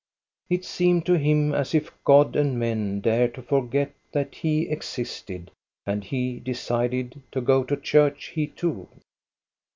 It seemed to him as if God and men dared to forget that he existed, and he decided to go to church, he too.